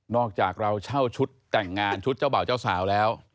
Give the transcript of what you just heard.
อกจากเราเช่าชุดแต่งงานชุดเจ้าบ่าวเจ้าสาวแล้ว